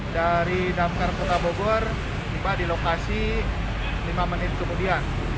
dari damkar kota bogor tiba di lokasi lima menit kemudian